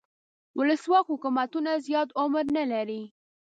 ولسواک حکومتونه زیات عمر نه لري.